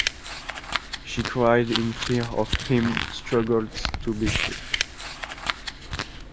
She cried in fear of him, struggled to be free.